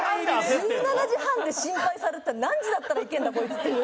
１７時半で心配されてたら何時だったら行けるんだこいつっていう。